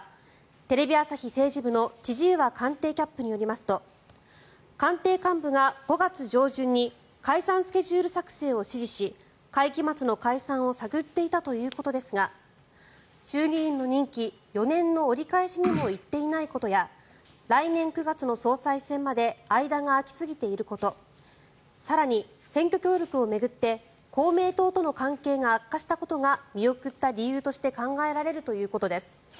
テレビ朝日政治部の千々岩官邸キャップによりますと官邸幹部が５月上旬に解散スケジュール作成を指示し会期末の解散を探っていたということですが衆議院の任期４年の折り返しにも行っていないことや来年９月の総裁選まで間が空きすぎていること更に選挙協力を巡って公明党との関係が悪化したことが見送った理由として考えられるということです。